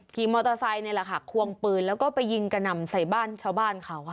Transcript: ขี่มอเตอร์ไซค์นี่แหละค่ะควงปืนแล้วก็ไปยิงกระหน่ำใส่บ้านชาวบ้านเขาค่ะ